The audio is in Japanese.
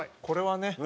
これはね。